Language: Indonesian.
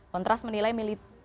kontras menilai militer